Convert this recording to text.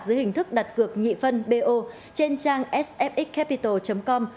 dưới hình thức đặt cược nhị phân bo trên trang sfxcapital com